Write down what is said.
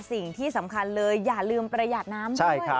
สิ่งที่สำคัญเลยอย่าลืมประหยัดน้ำด้วย